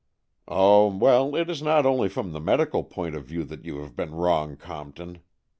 " Oh, well, it is not only from the medical point of view that you have been wrong, Compton.